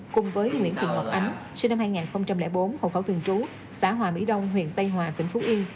cùng với nguyễn thị ngọc ánh sinh năm hai nghìn bốn hồ khẩu thường trú xã hòa mỹ đông huyện tây hòa tỉnh phú yên